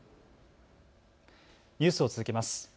ニュースを続けます。